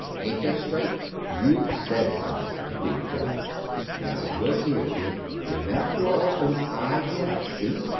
Ain't that straight?" "You've said something," agreed Jock. "Now, look here, kid. When that door opens I get up. See?